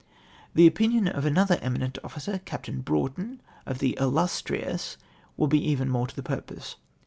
The opinion of another eminent officer, Captain Broughton of the Illustrious, will be even more to the purpose.